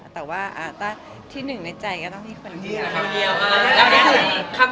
แต่ว่าที่หนึ่งในใจก็ต้องมีคนเดียว